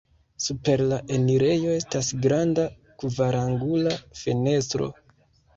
Super la enirejo estas granda kvarangula fenestro.